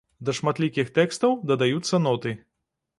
Да шматлікіх тэкстаў дадаюцца ноты.